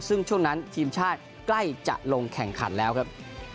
ซึ่งช่วงนั้นทีมชาติใกล้จะลงแข่งขันแล้วครับ